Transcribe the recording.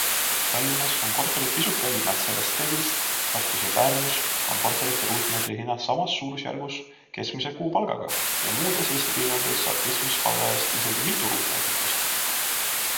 Tallinnas on korterid pisut kallimad sellest reeglist, Tartus ja Pärnus on korterite ruutmeetri hinnad samas suurusjärgus keskmise kuupalgaga ja muudes Eesti piirkondades saab keskmise palga eest isegi mitu ruutmeetrit osta.